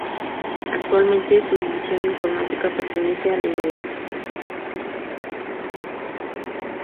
Actualmente su división informática pertenece a Lenovo.